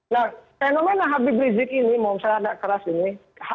nah fenomena habib rizieq ini mohon maaf saya agak keras ini